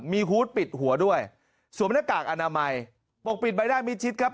มีฮูตปิดหัวด้วยสวมหน้ากากอนามัยปกปิดใบหน้ามิดชิดครับ